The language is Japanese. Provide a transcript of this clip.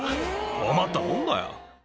困ったもんだよ。